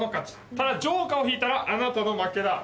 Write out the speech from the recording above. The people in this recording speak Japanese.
ただジョーカーを引いたらあなたの負けだ。